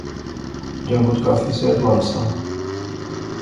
جنگت کافی صحت مند سا